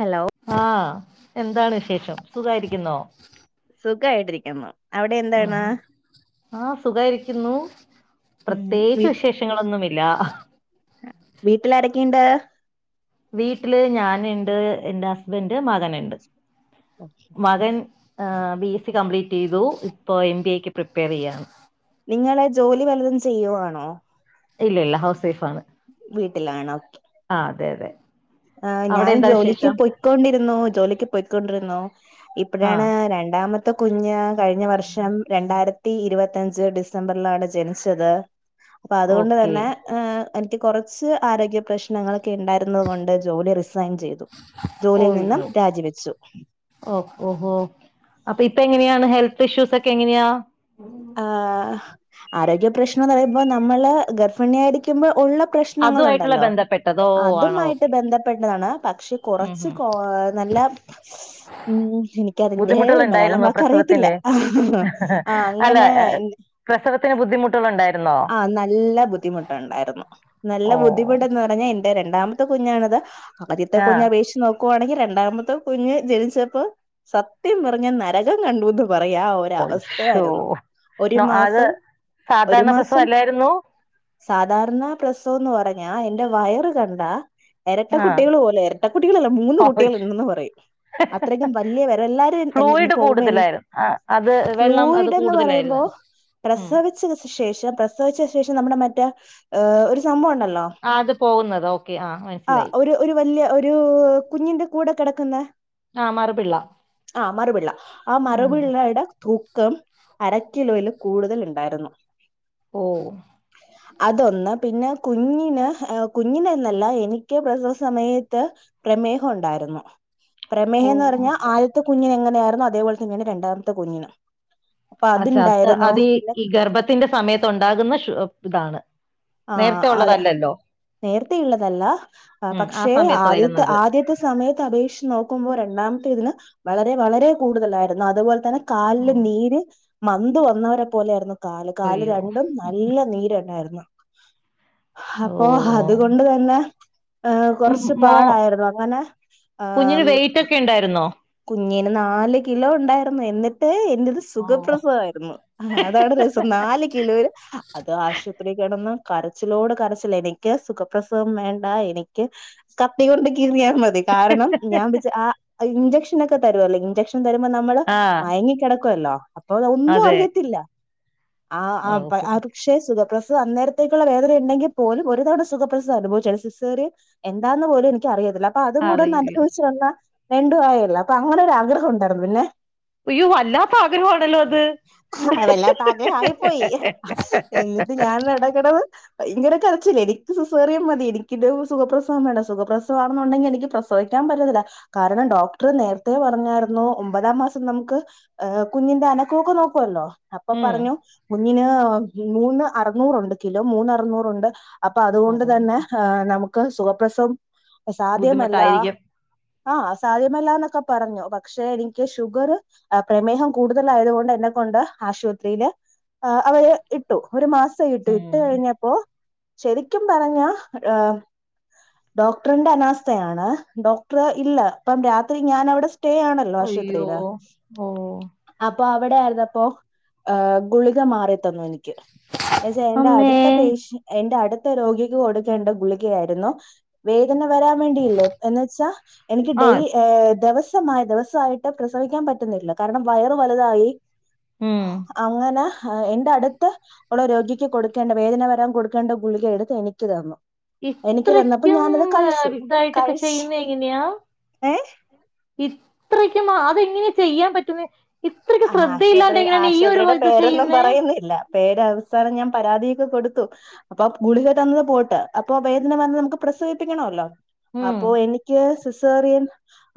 Hello ആഹ്‌ എന്താണ് വിശേഷം സുഖായിരിക്കുന്നോ സുഖായിട്ടിരിക്കുന്നു അവിടെ ഉം എന്താണ് ആഹ് സുഖായിരിക്കുന്നു ഉം പ്രത്യേകിച്ച് വിശേഷങ്ങളൊന്നുമില്ല വീട്ടിലാരെക്കെണ്ട് വീട്ടില് ഞാന്ണ്ട് ഇന്റെ ഹസ്ബന്റ് മകന്ണ്ട് അ മകൻ ബി എസ് സി കംപ്ലീറ്റ് ചെയ്തു ഇപ്പോഎം ബി എക്ക് പ്രിപ്പയർ ചെയ്യാണ് നിങ്ങളെ ജോലി വല്ലതും ചെയ്യുവാണോ ഇല്ല ഇല്ല ഹൗസ് വൈഫ്‌ ആണ് വീട്ടിലാണോ ആ‌ അതെ അതെ ആ അവിടെ ഞാൻ എന്താ ജോലിക്ക് വിശേഷം പോയ്ക്കൊണ്ടിരുന്നു ജോലിക്ക് പോയ്ക്കൊണ്ടിരുന്നു ഇപ്പഴാണ് ആഹ് രണ്ടാമ ത്തെ കുഞ്ഞ് കഴിഞ്ഞ വർഷം രണ്ടായിരത്തി ഇരുപത്തഞ്ച് ഡിസംബർലാണ് ജനിച്ചത് അപ്പൊ അതുകൊണ്ട് ഓക്കെ തന്നെ ഏ എനിക്ക് കൊറച്ച് ആരോഗ്യ പ്രശ്നങ്ങളൊക്കെ ഇണ്ടായിരുന്നത് കൊണ്ട് ജോലി റിസൈൻ ചെയ്തു ജോലിയിൽ നിന്നും രാജിവെച്ചു ഒ ഓ ഓ അപ്പൊ ഇപ്പൊ എങ്ങനെയാണ് ഹെൽത്ത് ഇഷ്യൂസ് ഒക്കെ എങ്ങനെയാ ആഹ് ആരോഗ്യ പ്രശ്നം ന്ന് പറയുമ്പോ നമ്മള് ഗർഭിണിയായി ക്കുമ്പോ ഉള്ള പ്രശ്നങ്ങള് അതുമായിട്ടുള്ള ണ്ടല്ലോ ബന്ധപ്പെട്ടതോ ആണോ അതുമായിട്ട് ഓക്കെ ബന്ധപ്പെട്ടതാണ് പക്ഷെ ഉം കൊറച്ച് ഉം കോ നല്ല ഉം എനിക്കതിന്റെ ബുദ്ധിമുട്ടുകൾ മലയാളം ഉണ്ടായിരുന്നോ വാക്ക് അറിയത്തില്ല പ്രസവത്തിന് ആ അല്ല അങ്ങനെ പ്രസവത്തിന് ബുദ്ധിമുട്ടുകള് ഇണ്ടായിരുന്നോ ആ നല്ല ബുദ്ധിമുട്ടുണ്ടായിരുന്നു നല്ല ഓ ബുദ്ധിമുട്ട്ന്ന് പർ പറഞ്ഞ എന്റെ രണ്ടാമത്തെ കുഞ്ഞാണ്ത് ആദ്യത്തെ ആ കുഞ്ഞ് അപേക്ഷിച്ച് നോ ക്കുവാണെങ്കി രണ്ടാമത്തെ കുഞ്ഞ് ജനിച്ചപ്പോ സത്യം പറഞ്ഞ നരകം കണ്ടൂന്ന് പറയാ ഒ ശ്ശോ ഒരവസ്ഥയായിരുന്നു ഒരു അത് മാസം ഒരു സാധാരണ മാസം പ്രസവം അല്ലായിരുന്നു സാധാരണ പ്രസവംന്ന് പറഞ്ഞാ എന്റെ വയറ് കണ്ടാ എരട്ട ആ കുട്ടികള് പോലെ എരട്ടക്കുട്ടികളല്ല മൂന്ന് കുട്ടികൾ ഉണ്ടെന്ന് പറയും അത്രയ്ക്കും വല്യ [unintelligible] എല്ലാരു എല്ല ഇഞ് ഫ്ലൂയിഡ് പോവുമ്പോ എ കൂടുതലായിരുന്നു ആ, അത് വെള്ളം അത് ഫ്ലൂയിഡ് എന്ന് കൂടുതലായിരുന്നു പറയുമ്പോ ഉം. പ്രസവിച്ച ശേഷം പ്രസവിച്ച ശേഷം നമ്മുടെ മറ്റേ ഒരു സംഭവം ഉണ്ടല്ലോ ആ‌ അത് പോവുന്നത് ഓക്കെ ആ മൻസ്സിലായി ഒരു വല്യ ഒരു കുഞ്ഞിന്റെ കൂടെ കെടക്കുന്ന ആ മറുപിള്ള ആ മറുപിള്ള ആ ഉം. മറുപിള്ളയുടെ തൂ ക്കം അരക്കിലോയില് കൂടുതൽ ഇണ്ടായിരുന്നു ഓഹ്‌ അതൊന്ന് പിന്നെ കുഞ്ഞിന് കുഞ്ഞിനന്നല്ല എനിക്ക് പ്രസവ സമയത്ത് പ്രമേഹം ഉണ്ടായിരുന്നു ഓ പ്രമേഹന്ന് പറഞ്ഞാ ആദ്യത്തെ കുഞ്ഞിനെങ്ങനെയായിരുന്നു അതേപോൽ തന്നെണ് രണ്ടാമത്തെ കുഞ്ഞിന് [unintelligible] അത് ഈ ഗർഭത്തിന്റെ സമയത്ത് ഉണ്ടാകുന്ന ശു താണ് ആ അത് നേര്ത്തെ ഇള്ളതല്ല ഉം, ആ പക്ഷെ സമയത്ത് ആദ്യത്തെ വരുന്നത് ആദ്യത്തെ സമയത്ത് അപേക്ഷിച്ച് നോക്കുമ്പോ രണ്ടാമത്തേതിന് വളരെ വളരെ കൂടുതലായിരുന്നു അതുപോൽ തന്നെ കാൽല് നീര് മന്ത് വന്നവരെ പോലെ ആയ്രുന്നു കാല് കാല് അയ്യോ രണ്ടും, നല്ല നീര്ണ്ടായിരുന്നു ഓ ഹപ്പൊ ഓ അതുകൊണ്ട് തന്നെ ആ, ഉം, കൊർച്ച് മോ പാടായിരുന്നു അങ്ങനെ കുഞ്ഞിന് ആം വെയിറ്റ് ഒക്കെ ഉണ്ടായിരുന്നോ കുഞ്ഞിന് നാല് കിലോ ഉണ്ടായിരുന്നു, എന്നിട്ട് ഇന്റത് സുഖപ്രസവായിരുന്നു. ആ അതാണ് രസം നാല് കിലോ അത് ആശുപത്രി കെടന്ന് കരച്ചിലോട് കരച്ചില്, എനിക്ക് സുഖപ്രസവം വേണ്ട എനിക്ക് കത്തി കൊണ്ട് കീറിയാ മതി കാരണം ഞാൻ വിചാ, ആ ഇഞ്ചക്ഷനൊക്കെ തരു അല്ലോ ഇഞ്ചക്ഷ തരുമ്പോ നമ്മള് ആഹ് മയങ്ങികെടക്കുവല്ലോ അപ്പൊ ഒന്നു അതെ അറിയത്തില്ല ആ, ആ പ ഓഹോ അത് പക്ഷേ സുഖ പ്രസവം അന്നേരത്തേക്കുള്ള വേദന ഉണ്ടെങ്കി പോലും ഒരു തവണ സുഖ പ്രസവം അനുഭവിച്ചാണ്, സിസേറിയൻ എന്താന്ന് പോലും എനിക്ക് അറിയത്തില്ല. അപ്പൊ അതും കൂടെ ഒന്ന് അറിയില്ല അനുഭവിച്ച് വന്ന വിണ്ടും ആയല്ലോ, അപ്പൊ അങ്ങനൊരാഗ്രഹം ഉണ്ടായിരുന്നു. പിന്നെ. അയ്യോ വല്ലാത്ത ആഗ്രഹമാണല്ലോ അത് അ വല്ലാത്താ ആഗ്രഹം ആയിപ്പോയി. എ, എന്നിട്ട് ഞാൻ എടക്കെടവ്. ഭയങ്കര കരച്ചില്, എനിക്ക് സിസേറിയ മതി എനിക്കരു സുഖപ്രസവം വേണ്ട സുഖപ്രസവം ആണന്നുണ്ടങ്കി എനിക്ക് പ്ര സവിക്കാൻ പറ്റത്തില്ല കാരണം ഡോക്ടർ നേ നേരത്തെ പറഞ്ഞായിരുന്നു ഒമ്പതാം മാസം നമുക്ക് ഹ് കുഞ്ഞിന്റെ അനക്കൊക്ക നോക്കുവല്ലോ. അപ്പൊ ഉം പറഞ്ഞു കുഞ്ഞിന് മൂന്ന് അറുന്നൂറുണ്ട് കിലോ മൂന്ന് അറുന്നൂറുണ്ട് അപ്പൊ ഓ അതുകൊണ്ട് തന്നെ ഏ നമുക്ക് സുഖപ്രസവം സാധ്യമല്ല. ബുദ്ധിമുട്ടായിരിക്കും ആഹ് സാധ്യമല്ലാന്നൊക്കെ പറഞ്ഞു പക്ഷെ എനിക്ക് ഷുഗർ പ്രമേഹം കൂടുതലായതുകൊണ്ട് എന്നെ കൊണ്ട് ആശുത്രില് ആ അവര് ഇട്ടു. ഒരു മാസം ഇട്ടു. ഇട്ട് ഉം കഴിഞ്ഞപ്പോ ശരിക്കും പറഞ്ഞ ഏ ഡോക്ടറിന്റെ അനാസ്ഥയാണ്. ഡോക്ടർ ഇല്ല ഇപ്പം രാത്രി ഞാനവിടെ സ്റ്റേ ആണ ല്ലോ അയ്യോ ആശുത്രില്. ഓ അപ്പൊ അവിടെ ആയിരുന്നപ്പോ ഗുളിക മാറി തന്നു. എനി ക്ക്‌. എച്ച എന്റെ അമ്മേ അടുത്ത പേഷ്യ, ൻ എന്റെ അടുത്ത രോഗിക്ക് കൊടുക്കേണ്ട ഗുളികയായിരുന്നു. വേദന വരാൻ വേണ്ടിയില്ലേ എന്ന് വെച്ച എനിക്ക് ടെയ് ആഹ് ദേവസ് [unintelligible] ദെവസായിട്ട് പ്രസവിക്കാൻ പറ്റുന്നില്ല കാരണം വയറ് വലുതായി. ഉം. അങ്ങന എന്റെ അടുത്ത് അവിടെ രോഗിക്ക് കൊടുക്കേണ്ട വേദന വരാം കൊടുക്കേണ്ട ഗുളിക എടുത്ത് എനിക്ക് തന്നു. എനിക്ക് തന്നപ്പോ ഇത്രക്കും ഞാനത് കഴിച്ചു ഇതായിട്ടൊക്കെ കഴിച്ച് ചെയ്യുന്ന എങ്ങനെയാ. ഏഹ് ഇത്രക്കും അതെങ്ങനെ ചെയ്യാം പറ്റുന്നെ. ഇത്രയ്ക്ക് ആ ശ്രദ്ധയില്ലാണ്ട് ആശുപത്രി എങ്ങനെയാണ് ഈ ഒരു ആശുപത്രിയുടെ ഇത് പേരൊന്നും ചെയ്യുന്നേ പറയുന്നില്ല. പേര് അവസാനം ഞാൻ പരാതിയൊക്കെ കൊടുത്തു. അപ്പൊ ഗുളിക, തന്നത് പോട്ട് അപ്പൊ വേദന വന്ന് നമുക്ക് പ്രസവിപ്പിക്കണോല്ലോ. ഉം അപ്പൊ എനിക്ക് സിസ് സിസേറിയൻ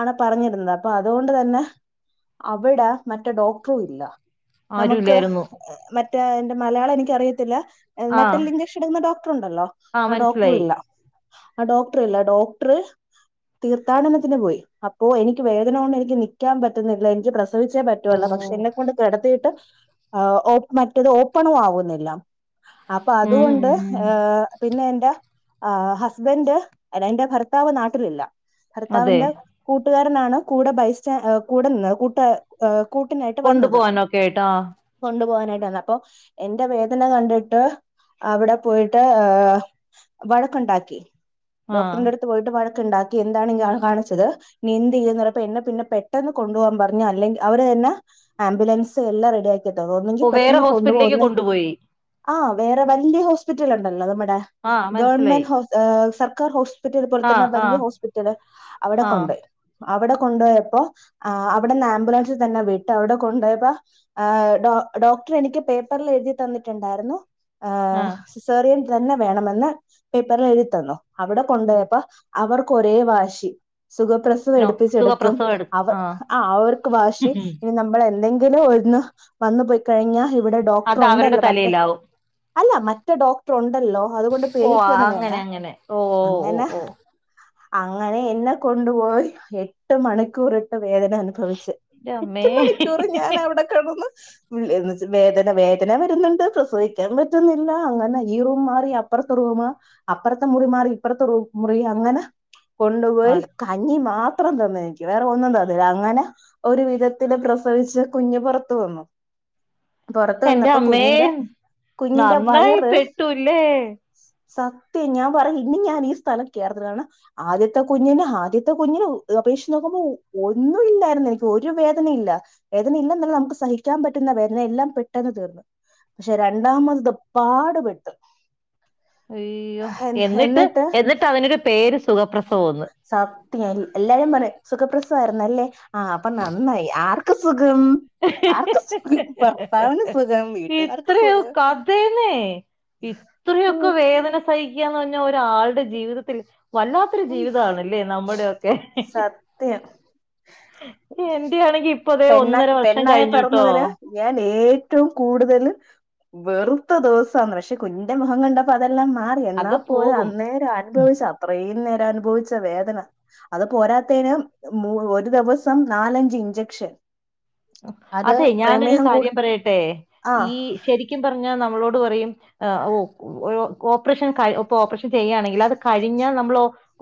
ആണ് പറഞ്ഞിരുന്നത് അപ്പൊ അതുകൊണ്ട് തന്നെ അവിട മറ്റേ ഡോക്ടറും ഇല്ല നമുക്ക് ആരുല്ലായിരുന്നു മറ്റേ എന്റെ മലയാളം എനിക്കറിയത്തില്ല. ആഹ് നട്ടെല്ലി ഇഞ്ചഷഎടുക്കുന്ന ഡോക്ടറുണ്ടല്ലോ ആഹ് ആ ഡോക്ടറു മനസ്സിലായി ഇല്ല. ആ ഡോക്ടറ് ഇല്ല. ഡോക്ടർ തീർത്ഥാടനത്തിന് പോയി. അപ്പോ എനിക്ക് വേദന കൊണ്ട് എനിക്ക് നിക്കാൻ പറ്റുന്നില്ല. എനിക്ക് പ്രസവിച്ചേ പ റ്റുവൊള്ള് പക്ഷെ ഓഹ് എന്നെക്കൊണ്ട് കെടത്തിയിട്ട് ഓ മറ്റത് ഓപ്പണും ആവുന്നില്ല. അപ്പ ഉം അതുകൊണ്ട് ഉം ഏ പിന്ന എന്റെ ആ ഹസ്ബന്റ്, എന്റെ ഭർത്താവ് നാട്ടിലില്ല. അതെ ഭർത്താവിന്റെ കൂട്ടുകാരനാണ് കൂടെ ബൈസ്റ്റ കൂട നിന്ന് കൂട്ട കൂട്ടിനായിട്ട് വന്നത്. കൊണ്ടുപോവാനൊക്കെ ആയിട്ട് ആഹ് കൊണ്ടു പോകാനായിട്ടാവന്നേ അപ്പൊ എന്റെ വേദന കണ്ടിട്ട്. അവിടെ പോയിട്ട് വഴക്കൊണ്ടാക്കി. ആഹ് ഡോക്ടറിന്റെടു ത്ത് പോയിട്ട് വഴക്ക്‌ണ്ടാക്കി എന്താണ് ഇയ്യാള് കാണിച്ചത്. ന്നി എന്തേയ്യ്ന്നറപ്പോ എന്നേ പിന്നെ പെട്ടെന്ന് കൊണ്ടോവാം പറഞ്ഞ് അല്ലെങ്കി അവര് തന്ന ആംബുലൻസ് എല്ലാം റെഡി യാക്കി തന്ന് ഒന്നെങ്കി ഓഹ് വേറെ പെട്ടെന്ന് കൊണ്ടു ഹോസ്പിറ്റലിലേക്ക് പോന്നെ കൊണ്ടുപോയി ആ വേറെ വല്യ ഹോസ്പിറ്റൽ ഉണ്ടല്ലോ നമ്മുടെ ആഹ് മനസ്സിലായി ഗവൺമെന്റ് ഹോ, സർക്കാർ ഹോസ് റ്റൽ പോലെ ആഹ് തന്നെവലിയ ആഹ് ഹോസ്പിറ്റല് അവിടെ ആഹ് കൊണ്ടോയി. അവിടെ കൊണ്ടോയപ്പോ അവിടെന്ന് ആംബുലൻസി തന്നെ വിട്ട് അവിടെ കൊണ്ടുപോയപ്പ ആ ഡോ, ഡോക്ടർ എനിക്ക് പേപ്പറിൽ എഴുതി തന്നിട്ടുണ്ടായിരുന്നു. ആ ആഹ് സിസേറിയൻ തന്നെ വേണമെന്ന് പേപ്പറിൽ എഴുതിത്തന്നു. അവിടെ കൊണ്ടോയപ്പോ അവർക്ക് ഒരേ വാശി സുഖപ്രസ നോ യെടുപ്പിച്ചെടുക്കും സുഖപ്രസവം എടു അവ ആഹ് ആ അവർ ക്ക്‌ വാശി ഇനി നമ്മൾ എന്തെങ്കിലും ഒന്ന് വന്നു പോയി കഴിഞ്ഞാ ഇവിടെ ഡോക്ടർ അത് അവരുടെ ഉണ്ടല്ലോ മറ്റേ തലയിലാവും അല്ല മറ്റേ ഡോക്ടർ ഉണ്ടല്ലോ അതുകൊണ്ട് പേടി ഓഹ് ക്കൊന്നും വേണ്ട അങ്ങനെ അങ്ങനെ ഓഹ് ഓഹ് അങ്ങനെ ഓഹ് ഓഹ് അങ്ങനെ എന്നെ കൊണ്ടുപോയ് എട്ട് മണിക്കൂറിട്ട് വേദന അനുഭവിച്ച് എന്റെ അമ്മേ എട്ട് മണിക്കൂർ ഞാൻ അവിടെ കെടന്ന് വേദന വേദന വരുന്നുണ്ട് പ്രസവിക്കാൻ പറ്റുന്നില്ല അങ്ങനെ ഈ റൂം മാറി അപ്പുറത്തെ റൂമ അപ്പറത്തെ മുറി മാറി ഇപ്പറത്തെ മുറി അങ്ങനെ കൊണ്ടുപോയി അത് കഞ്ഞി മാത്രം തന് എനിക്ക് വേറെ ഒന്നും തന്നില്ല അങ്ങനെ ഒരു വിധത്തില് പ്രസവിച്ച് കുഞ് പുറത്ത് വന്ന് പൊറത്ത് എന്റെ വന്നപ്പോ അമ്മേ കുഞ്ഞിന്റെ കുഞ്ഞിന്റെ നന്നായി വയറ് പെട്ടുല്ലേ സത്യം ഞാൻ പറഞ ഇനി ഞാൻ ഈ സ്ഥലം കേറത്തില്ലന്ന് പറഞ്ഞ ആദ്യത്തെ കുഞ്ഞിന് ആദ്യത്തെ കുഞ്ഞിനെ അപേക്ഷിച്ച് നോക്കുമ്പോ ഒന്നുല്ലായിരുന്നു എനിക്ക് ഒരു വേദനയില്ല വേദനയില്ല എന്നല്ല നമുക്ക് സഹിക്കാൻ പറ്റുന്ന വേദനയെല്ലാം പെട്ടെന്ന് തീർന്നു പക്ഷെ രണ്ടാമത് പാട് പെട്ട് അയ്യോ എന്നിട്ട് എന്നിട്ട് അതിനൊരു പേര് സുഖപ്രസവോന് സത്യം എല്ലാരും പറയും സുഖപ്രസവായിരുന്നല്ലേ ആ പ്പൊ നന്നായി ആർക്ക് സുഖം ആർക്ക് സുഖം ഭർത്താവിന് സുഖം വീട്ടുകാർക്ക് സുഖം അത്യന്നെ ഇത്രയൊക്കെ വേദന സഹിക്കാന്ന് പറഞ്ഞാ ഒരാളുടെ ജീവിതത്തിൽ വല്ലാത്ത വല്ലാത്ത ഒരു ജീവിതണല്ലേ നമ്മുടെ ക്കെ സത്യം എന്റെ ആണെങ്കി ഇപ്പ ദേ പെണ്ണ ഒന്നര വർഷം പെണ്ണായി കഴിഞ്ഞുട്ടോ പിറന്നതിനു ഞാൻ ഏറ്റവും കൂടുതൽ വെറുത്ത ദിവസാന്ന് പക്ഷെ കുഞ്ഞിന്റെ മുഖം കണ്ടപ്പോ അതെല്ലാം മാറി അത് എന്നാപോലും പോകും അന്നേരം അനുഭവിച്ച അത്രയും നേരം അനുഭവിച്ച വേദന അത് പോരാത്തേന് ഒരു ദിവസം നാലഞ്ച് ഇഞ്ചക്ഷൻ അത് അതെ ഞാനൊരു പ്രമേഹം കൂട കാര്യം പറയട്ടെ ഈ ആഹ് ശരിക്കും പറഞ്ഞാൽ നമ്മളോട് പറയും ഓ ഓപ്പറേഷൻ ഇപ്പ ഓപ്പറേഷൻ ചെയ്യാ ണെങ്കിൽ അത് കഴിഞ്ഞാൽ നമ്മൾ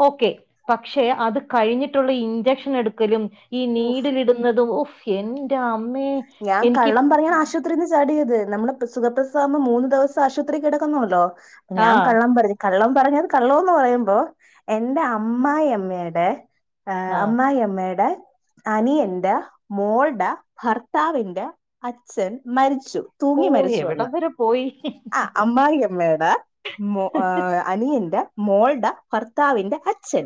ഓക്കെ പക്ഷെ അത് കഴിഞ്ഞിട്ടുള്ള ഇഞ്ചക്ഷൻ എടുക്കലും ഈ നീടിലിടുന്നതും ഹോ എന്റെമ്മേ ഞാൻ കള്ളം പറയാൻ ആശ ആശുപത്രിയിൽ നിന്ന് ചാടിയത് നമ്മള് സുഖപ്രസവാബം മൂന്ന് ദിവസംശുത്രിക്ക കെടക്കണോലോ ആ ഞാൻ കള്ളം പറഞ്ഞു കള്ളം പറഞ്ഞത് കള്ളംന്ന് പറയുമ്പോ എന്റെ അമ്മായിമ്മടെ ആ അമ്മായിമ്മടെ അനിയന്റെ മോളുടെ ഭർത്ത ത്താവിന്റെ അച്ഛൻ മരിച്ചു ഓ തൂങ്ങി എവിടം മരിച്ചുന്ന് വരെ പോയി ആ് അമ്മായി അമ്മേടെ അനിയന്റെ മോൾദേ ഭർത്താവിന്റെ അച്ഛൻ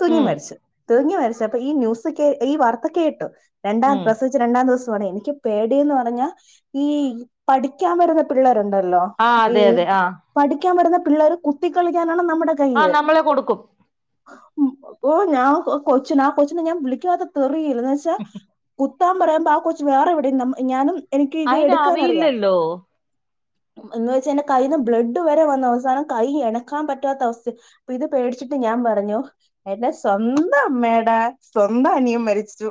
തൂങ്ങി ഉം മരിച്ചു തൂങ്ങിമരിച്ചപ്പോൾ അപ്പ ഈ ന്യൂസ് ഈ വാർത്ത കേട്ടു രണ്ടാം ഉം ദിവസം രണ്ടാം ദിവസംമാണ് എനിക്ക് പേടിയന്ന് പറഞ്ഞാൽ ഈ പഠിക്കാൻ വരുന്ന പിള്ളേരുണ്ടല്ലോ ആ ഈ അതെ അതെ ആ പഠിക്കാൻ വരുന്ന പിള്ളേര് കുത്തി കളിക്കാനാണ് നമ്മുടെ ആ കൈയിൽ നമ്മളെ കൊടുക്കും ഉ ഓ ഞാൻ കൊച്ചിന ആ കൊച്ചിനെ ഞാൻ വിളിക്കാവാത്ത തീറില്ലന്ന് വച്ചാ എത്താൻ പറയുമ്പോ ആ കൊച്ച് വേറെ എവിടെയും ഞാനും എനിക്ക് ഇത് എടുക്കാൻ അറിയാം ഹലോ എന്ന് വെച്ചി കയിൽ നിന്ന് ബ്ലഡ് വരെ വന്ന അവസ്ഥാണ് കൈ ഇണക്കാൻ പറ്റാത്ത അവസ്ഥ അപ്പൊ ഇത് പേടിച്ചിട്ട് ഞാൻ പറഞ്ഞു എന്റെ സ്വന്തം അമ്മയുടെ സ്വന്തം അനിയൻ മരിച്ചു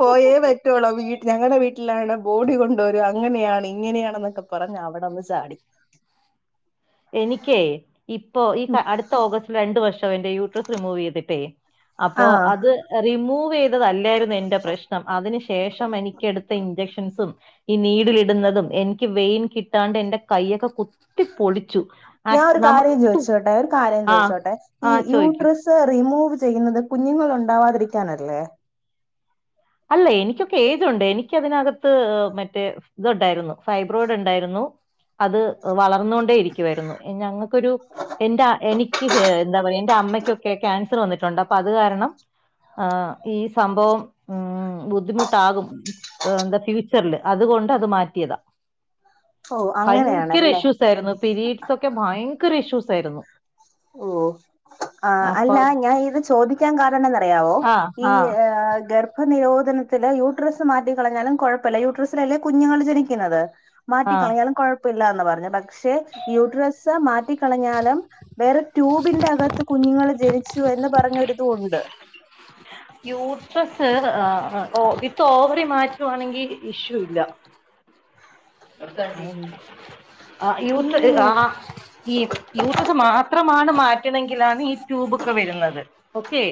പോയേ റ്റ ഞങ്ങളുടെ വീട്ടിലാണ് ബോഡി കൊണ്ടുവ വരും അങ്ങനെയാണ് ഇങ്ങനെയാണെന്നൊക്കെ പറ കുറഞ അവിടെ ഒന്ന് ചാടി എനിക്കേ ഇപ്പൊ ഈ അടുത്തഓഗസ്റ്റില് രണ്ടു വർഷം എന്റെ യൂട്രസ് റിമൂവ് ചെയ്തിട്ടേ അപ്പോ ആഹ് അത് റിമൂവ് ചെയ്തതല്ലായിരുന്നു എന്റെ പ്രശ്നം അതിന് ശേഷം എനിക്ക എടുത്ത് ഇഞ്ചെക്ഷൻസും ഈ നീടിലിടുന്നതും എനിക്ക് വെയിൻ കിട്ടാണ്ട് എന്റെ കയൊക്കെ കുത്തി പൊളി ഞാൻ ഒരു കാര്യം ചോദിച്ചോട്ടെ ഒരു കാര്യം ആ ചോദിച്ചോട്ടെ ആ ഈ ചോദിക്കൂ യൂട്രിസ് റിമൂവ് ചെയ്യുന്നത് കുഞ്ഞുങ്ങൾ ഉണ്ടാവാതിരിക്കാനല്ലേ അല്ല എനിക്കൊക്കെ ഏജുണ്ട് എനിക്കതിനകത്ത് മറ്റേ ഇത്ണ്ടായിരുന്നു ഫൈബ്രോഡ് ഉണ്ടായിരുന്നു അത് വളർന്നൊണ്ടേ ഇരിക്കുവായിരുന്നു ഞങ്ങൾക്കൊരു എന്റെ എനിക്ക് എന്താ പറയ എന്റെ അമ്മയ്ക്കൊക്കെ ക്യാൻസർ വന്നിട്ടുണ്ട് അപ്പൊ അത് കാരണം ആ ഈ സംഭവം ഉം ബുദ്ധിമുട്ടാകും എന്താ ഫ്യൂച്ചറില് അതുകൊണ്ട് അത് മാറ്റിയതാ ഓ ഭയങ്കര അങ്ങനെയാണല്ലേ ഇഷ്യൂസായിരുന്നു പിരീഡ്സ് ഒക്കെ ഭയങ്കര ഇഷ്യൂസ് ആയിരുന്നു ഓ ആ അപ്പൊ അല്ല ഞാൻ ഇത് ചോദിക്കാൻ കാരണം എന്നറിയാവോ ആ ഈ ആ ഗർ നിരോധനത്തില് യൂട്രസ് മാറ്റിക്കളഞ്ഞാലും കുഴപ്പമില്ല യൂട്രസിലല്ലേ കുഞ്ഞുങ്ങൾ ജനിക്കുന്നത് ആ മാറ്റിക്കളഞ്ഞാലും കുഴപ്പില്ലന്ന് പറഞ്ഞു പക്ഷെ യൂട്രസ് മാറ്റിക്കളഞ്ഞാലും വേറെ ട്യൂബിന്റെ അകത്ത് കുഞ്ഞുങ്ങളൾ ജനിച്ചു എന്ന് പറഞ്ഞൊരിതും ഉണ്ട് യൂട്രസ് ഇപ്പ ഓവറി മാറ്റുവാണെങ്കിൽ ഇഷ്യൂ ഇല്ല ആ ഈ യൂത്ത് ആ ഈ യൂട്രസ് മാത്രമാണ് മാറ്റണങ്കിലാണ് ഈ ട്യൂബൊക്കെ വരുന്നത് ഓക്കെ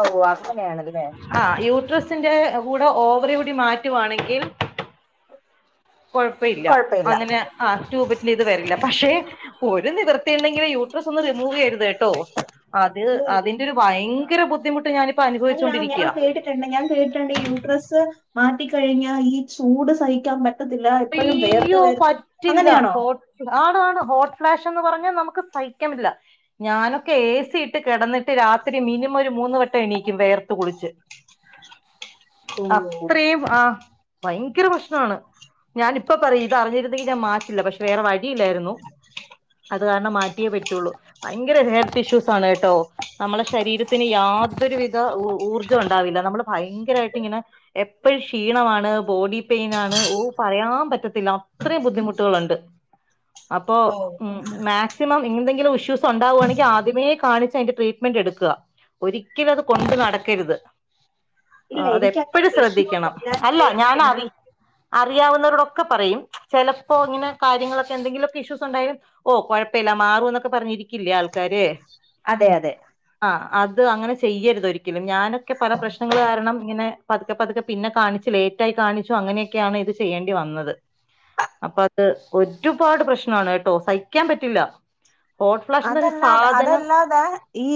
ഓ അങ്ങനെയാണല്ലേ ആ യൂട്രസിന്റെ കൂടെ ഓവറി കൂടി മാറ്റുവാണെങ്കിൽ കൊഴപ്പ ഇല്ല കൊഴപ്പയില്ല അങ്ങനെ ആ ട്യൂബറ്റന് ഇത് വരില്ല പക്ഷെ ഒരു നിവൃത്തി ഉണ്ടെങ്കിൽ യൂ ട്രസ് ഒന്നും റിമൂവ് ചെയ്യരുത് കേട്ടോ അത് അതി ഭയങ്കര ബുദ്ധിമുട്ട് ഞ അല്ല ഞാൻ കേട്ട ഞാൻ കേട്ടിട്ടുണ്ട് ഈ യൂട്രസ് മാറ്റിക്കഴിഞ്ഞാൽ ഈ ചൂട് സഹിക്കാൻ പറ്റ ത്തില്ല എപ്പോഴും വേർത്ത് വേർത്ത് അങ്ങനെയാണോ ആണ് ആണ് ഹോട്ട് ഫ്ലാഷ്ന്ന് പറഞ്ഞാൽ നമുക്ക് സഹിക്കാൻ പറ്റില്ല ഞാനൊക്കെ എഏ സി ഇട്ട് കിടന്നിട്ട് രാത്രി മിനിമം ഒരു മൂന്ന് വട്ടം എണീക്കും വേർത്ത് കുളിച്ച് [inaudible] ഓ അത്രയും ആ ഭയങ്കര പ്രശ്നമാണ് ഞാനിപ്പ പറയും ഇത് അറിഞ്ഞിരുന്നെങ്കിൽ ഞാൻ മാറ്റില്ല പക്ഷെ വേറെ വഴിയില്ലായിരുന്നു അത് കാരണം മാറ്റിയേ പറ്റുള്ളൂ ഭയങ്കര ഹെൽത്ത് ഇഷ്യൂസ് ആണ് കേട്ടോ നമ്മളെ ശരീരത്തിന് യാതൊരുവിധ ഊർജ്ജം ഉണ്ടാവില്ല നമ്മൾ ഭയങ്കരായിട്ടിങ്ങനെ എപ്പഴും ക്ഷീണമാണ് ബോഡി പെയിനാണ് പറയാമ്പറ്റത്തില്ല അത്രെ ബുദ്ധിമുട്ടുകളൊണ്ട് അപ്പോ ഓ ഉം മാക്സിമം എന്തിങ്കിലും ഇഷ്യൂസ് ഉണ്ടാവുവാണെങ്കിആദ്യമേ കാണിച്ചതിന്റെ ട്രീറ്റ് മെന്റ് എടുക്കാ ഒരിക്കലും അത് കൊണ്ട് നടക്കരുത് ഇല്ല ആ എനിക്കങ്ങനെ അതെപ്പഴും പ്രശ്നമൊന്നും ശ്രദ്ധിക്കണം ഇല്ല ഞാൻ അല്ലാ കേട്ടിട്ടുണ്ട് ഞാനാദി അറിയാവുന്നവരൊടൊക്കെപ്പറയും ചെ ലപ്പോഇങ്ങനെ കാര്യങ്ങളൊക്കെ എന്തെങ്കിലുക്കെ ഇഷ്യൂസ് ഉണ്ടായാലും ഓ കൊഴപ്പമില്ല മാറും എന്നൊക്കെ പറഞ്ഞിരിക്കില്ലേ ആൾക്കാര് അതെയതെ അ അത് അങ്ങനെ ചെയ്യര്തൊരി ക്കലും ഞാനെക്കെ പല പ്രശ്നങ്ങള് കാരണം ഇങ്ങനെ പത്ക്കെ പത്ക്കെ പിന്നെക്കാണിച്ച് ലേറ്റായി കാണിച്ചു അങ്ങനെയക്കെയാണ് ഇത് ചെയ്യേണ്ടി വന്നത് അപ്പത് ഒറ്റുപാട് പ്രശ്നാണ് കേട്ടോ സഹിക്കാൻ പറ്റില്ലാ അതല്ലാതെ അതല്ലാതെ ഈ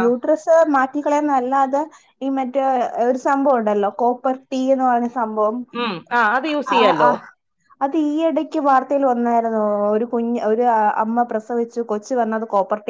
ആ യൂട്രസ് മാറ്റിക്കളയുന്നതല്ലാതെ ഇ മറ്റ് ഒരു സംഭവം ഉണ്ടല്ലോ കോപ്പർടീ എന്ന് പറഞ്ഞസംഭവം ഉം ആ അത് യൂസ് ആഹ് ചെയ്യാലോ ആഹ്. അത് ഈയിടക്ക് വാർത്തയില് വന്നായിരുന്നോ ഒരു കുഞ്ഞ് ഒരു അമ്മ പ്രസവിച്ച് കൊച്ച് ച്ച് വന്നത് കോപ്പർട്ടി